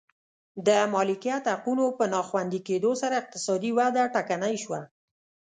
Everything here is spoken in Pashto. د مالکیت حقونو په ناخوندي کېدو سره اقتصادي وده ټکنۍ شوه.